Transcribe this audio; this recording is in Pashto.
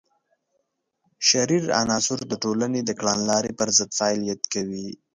شریر عناصر د ټولنې د کړنلارې پر ضد فعالیت کوي.